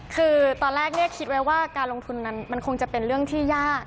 คือตอนแรกคิดไว้ว่าการลงทุนมันคงจะเป็นเรื่องที่ยาก